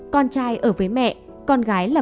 con trai ở với mẹ con gái là